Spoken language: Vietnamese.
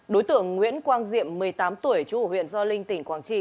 đối tượng nguyễn quang diệm một mươi tám tuổi trụ huyện do linh tỉnh quảng trị